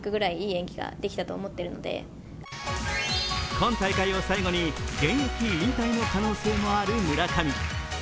今大会を最後に現役引退の可能性もある村上。